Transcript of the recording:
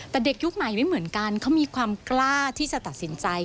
แต่เด็กยุคนรไม่เหมือนกันเขามีกล้าที่จะสินใจ